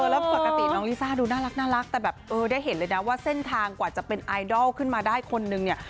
แล้วปกติน้องลิซ่าดูน่ารักแต่แบบเออได้เห็นเลยนะว่าเส้นทางกว่าจะเป็นไอดอลขึ้นมาได้คนนึงเนี่ย